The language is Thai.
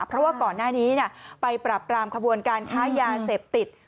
เพราะว่าก่อนหน้านี้ไปปรับรามขบวนการค้ายาเสพติด